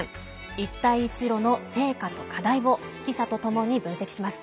一帯一路の成果と課題を識者とともに分析します。